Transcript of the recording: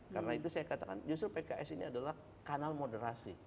karena itu saya katakan justru pks ini adalah kanal moderasi